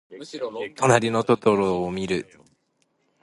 となりのトトロをみる。